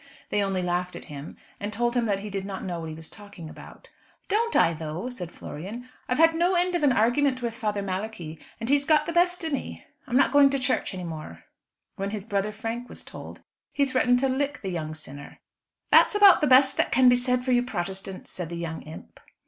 They only laughed at him, and told him that he did not know what he was talking about. "Don't I though?" said Florian. "I've had no end of an argument with Father Malachi, and he's got the best o' me. I'm not going to church any more." When his brother Frank was told, he threatened to "lick the young sinner." "That's about the best can be said for you Protestants," said the young imp.